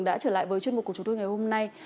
đã trở lại với chuyên mục của chúng tôi ngày hôm nay